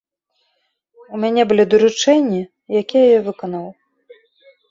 У мяне былі даручэнні, якія я выканаў.